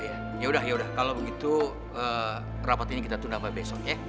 iya yaudah kalau begitu rapat ini kita tunggu sampai besok ya